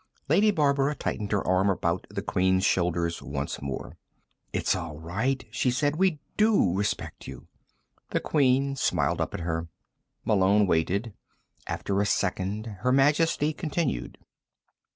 Lady Barbara tightened her arm about the Queen's shoulders once more. "It's all right," she said. "We do respect you." The Queen smiled up at her. Malone waited. After a second Her Majesty continued.